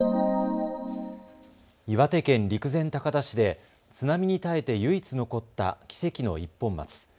岩手県陸前高田市で津波に耐えて唯一、残った奇跡の一本松。